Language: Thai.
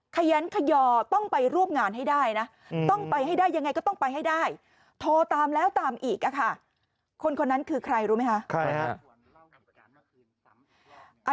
ขยันขยอต้องไปร่วมงานให้ได้นะต้องไปให้ได้ยังไงก็ต้องไปให้ได้โทรตามแล้วตามอีกอะค่ะคนคนนั้นคือใครรู้ไหมคะ